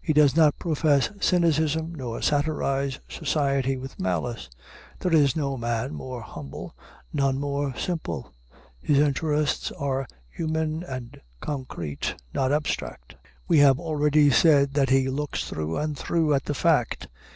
He does not profess cynicism, nor satirize society with malice; there is no man more humble, none more simple; his interests are human and concrete, not abstract. We have already said that he looks through and through at the fact.